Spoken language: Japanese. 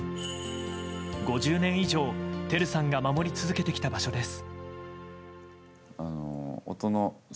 ５０年以上、照さんが守り続けてきた場所です。